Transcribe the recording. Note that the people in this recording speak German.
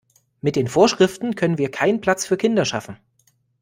Mit den Vorschriften können wir keinen Platz für Kinder schaffen.